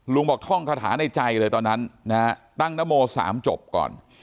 บอกท่องคาถาในใจเลยตอนนั้นนะฮะตั้งนโม๓จบก่อน